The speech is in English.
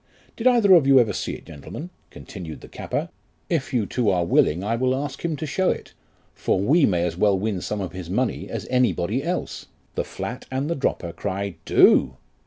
Did either of you ever see it, gentlemen ? continued the capper ; if you two are willing I will ask him to show it, for we may as well win some of his money as any body else : the flat and the dropper cry, Do.